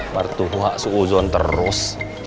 martuhu haq su'uzon terus